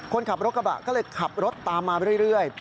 คนขับรถกระบะก็เลยขับรถตามมาเรื่อย